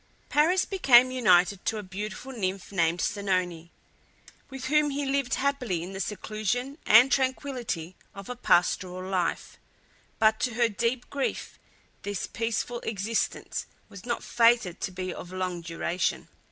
Paris became united to a beautiful nymph named Oenone, with whom he lived happily in the seclusion and tranquillity of a pastoral life; but to her deep grief this peaceful existence was not fated to be of long duration.